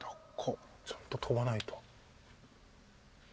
ちゃんと跳ばないと。